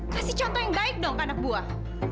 kasih contoh yang baik dong ke anak buah